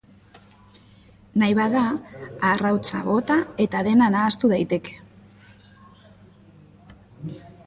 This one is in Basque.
Nahi bada arrautza bota eta dena nahastu daiteke.